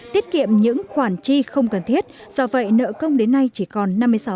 tiết kiệm những khoản chi không cần thiết do vậy nợ công đến nay chỉ còn năm mươi sáu năm mươi bảy